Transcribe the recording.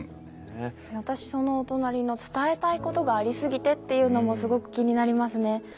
私そのお隣の「伝えたいことがありすぎて」っていうのもすごく気になりますね。